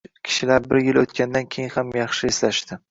kishilar bir yil o‘tgandan keyin ham yaxshi eslashdi.